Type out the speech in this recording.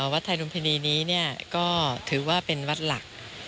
วัดไทยรุมพินีนี้ก็ถือว่าเป็นวัดหลัก